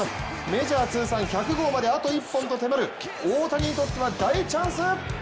メジャー通算１００号まであと１本と迫る大谷にとっては大チャンス。